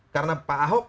karena pak ahok